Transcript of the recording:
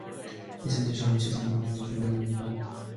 이 사람이 정말 미쳤단 말인가. 나도 아주먼네가 앓는단 말은 들었는데.